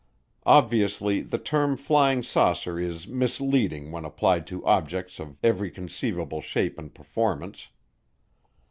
Obviously the term "flying saucer" is misleading when applied to objects of every conceivable shape and performance.